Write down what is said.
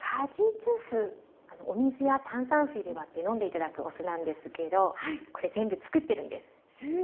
お水や炭酸水で割って飲んで頂くお酢なんですけどこれ全部つくってるんです。